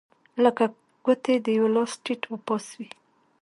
لکه ګوتې د یوه لاس ټیت و پاس وې.